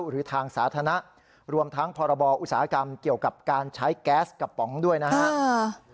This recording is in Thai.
หรือทางสาธารณะรวมทั้งพรบอุตสาหกรรมเกี่ยวกับการใช้แก๊สกระป๋องด้วยนะครับ